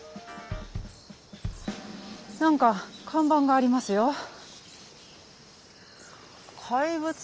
何か看板がありますよ。